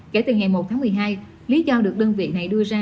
kể từ ngày một tháng một mươi hai lý do được đơn vị này đưa ra